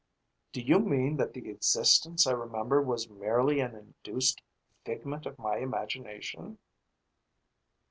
"Do you mean that the existence I remember was merely an induced figment of my imagination?"